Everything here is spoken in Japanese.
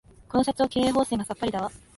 この社長、経営方針がさっぱりだわ